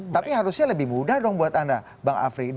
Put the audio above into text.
tapi harusnya lebih mudah dong buat anda bang afri